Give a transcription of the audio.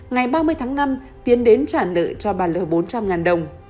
ngày ba mươi tháng năm tiến đến trả nợ cho bà l bốn trăm linh đồng